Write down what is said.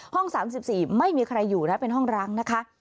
๓๔ไม่มีใครอยู่นะเป็นห้องร้างนะคะ